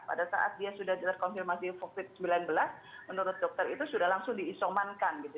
pada saat dia sudah terkonfirmasi covid sembilan belas menurut dokter itu sudah langsung diisomankan gitu